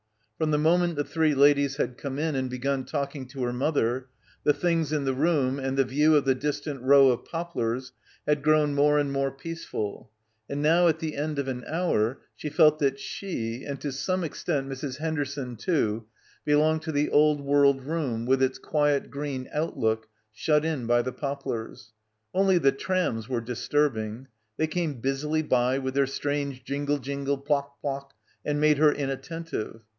From the moment the three ladies had come in and begun talking to her mother, the things in the room, and the view of the distant row of poplars had grown more and more peaceful, and now at the end of an hour she felt that she, and to some extent Mrs. Henderson too, belonged to the old world room with its quiet green outlook shut in by the poplars. Only the trams were disturbing. They came busily by, with their strange jingle jingle, plock plock, and made her inattentive.